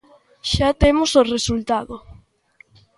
Xa temos o resultado.